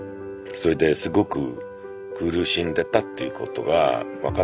それですごく苦しんでたっていうことが分かって。